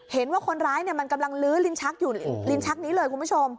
เห็นว่าคนร้ายมันกำลังลื้อลิ้นชักอยู่ลิ้นชักนี้เลยคุณผู้ชม